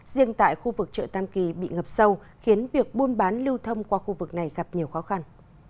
riêng tại khu vực chợ tam kỳ bị ngập sâu khiến việc buôn bán lưu thông qua khu vực này gặp nhiều khó khăn